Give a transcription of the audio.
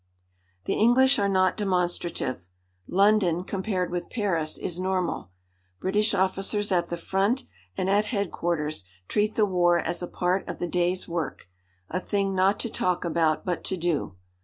The English are not demonstrative. London, compared with Paris, is normal. British officers at the front and at headquarters treat the war as a part of the day's work, a thing not to talk about but to do.